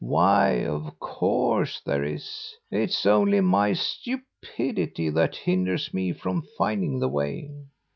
Why, of course, there is! It's only my stupidity that hinders me from finding the way.'